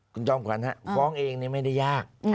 คุณจอมขวัญฟ้องเองไม่ได้ยาก